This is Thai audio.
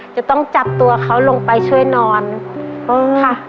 จะต้องจับตัวเขาลงไปช่วยนอนค่ะ